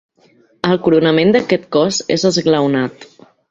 El coronament d'aquest cos és esglaonat.